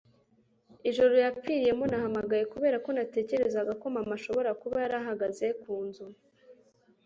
Ijoro yapfiriyemo, nahamagaye kubera ko natekerezaga ko mama ashobora kuba yarahagaze ku nzu.